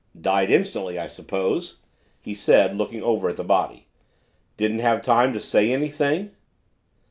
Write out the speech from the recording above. "Died instantly, I suppose?" he said, looking over at the body. "Didn't have time to say anything?"